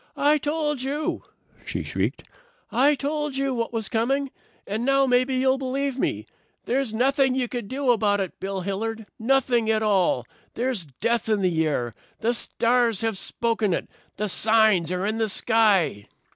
"I told you," she shrieked. "I told you what was coming, and now maybe you'll believe me. There's nothing you can do about it, Bill Hilliard. Nothing at all. There's death in the air. The stars have spoken it. The signs are in the sky."